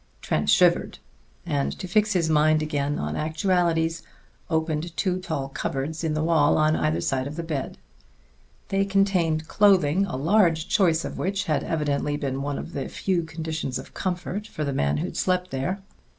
Trent shivered, and to fix his mind again on actualities opened two tall cupboards in the wall on either side of the bed. They contained clothing, a large choice of which had evidently been one of the very few conditions of comfort for the man who had slept there.